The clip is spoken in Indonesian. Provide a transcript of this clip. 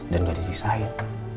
dan gak disisain